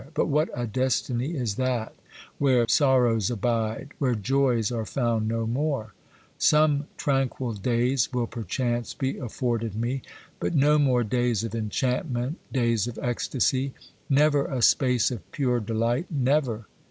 But what a destiny is that where sorrows abide, where joys are found no more ! 26 OBERMANN Some tranquil days will perchance be afforded me, but no more days of enchantment, days of ecstasy; never a space of pure delight — never